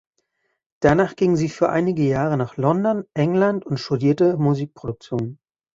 Danach ging sie für einige Jahre nach London, England, und studierte Musikproduktion.